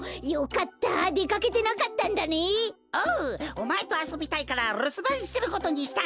おまえとあそびたいからるすばんしてることにしたんだぜ！